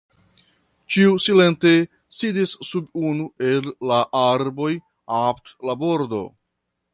Ĉiu silente sidis sub unu el la arboj apud la bordo.